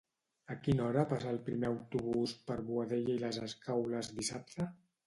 A quina hora passa el primer autobús per Boadella i les Escaules dissabte?